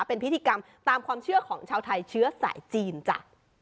เป็นพิธีกรรมตามความเชื่อของชาวไทยเชื้อสายจีนจ้ะ